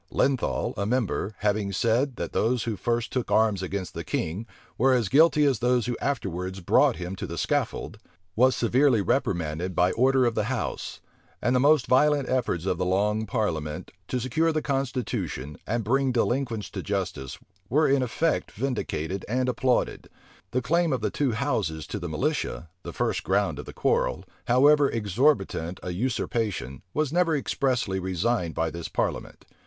Lenthal, a member, having said, that those who first took arms against the king were as guilty as those who afterwards brought him to the scaffold, was severely reprimanded by order of the house; and the most violent efforts of the long parliament, to secure the constitution, and bring delinquents to justice, were in effect vindicated and applauded.[*] The claim of the two houses to the militia, the first ground of the quarrel, however exorbitant a usurpation, was never expressly resigned by this parliament.